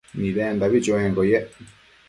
Nidendabi chuenquio yec